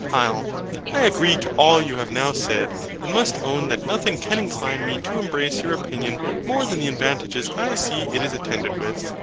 HYL. I agree to all you have now said, and must own that nothing can incline me to embrace your opinion more than the advantages I see it is attended with.